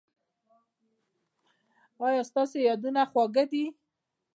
ایا ستاسو یادونه خوږه ده؟